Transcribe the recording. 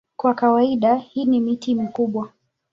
Kwa kawaida hii ni miti mikubwa.